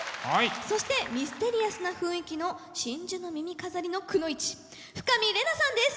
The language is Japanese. そしてミステリアスな雰囲気の真珠の耳飾りのくノ一深見玲奈さんです。